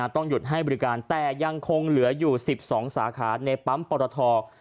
ต้องหยุดให้บริการแต่ยังคงเหลืออยู่๑๒สาขาในปั๊มปรท